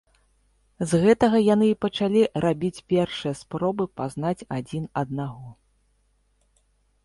З гэтага яны і пачалі рабіць першыя спробы пазнаць адзін аднаго.